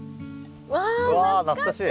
うわ懐かしい！